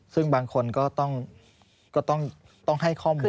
ซึ่งบางคนก็ต้องให้ข้อมูล